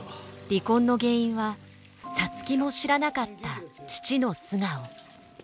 離婚の原因は皐月も知らなかった父の素顔。